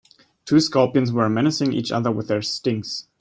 Two scorpions were menacing each other with their stings.